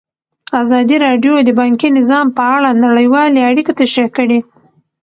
ازادي راډیو د بانکي نظام په اړه نړیوالې اړیکې تشریح کړي.